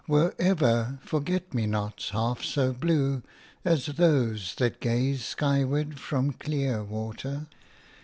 Were ever forget me nots half so blue as those that gaze skyward from clear water?